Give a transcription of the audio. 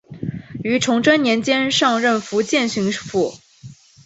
于崇祯年间上任福建巡抚。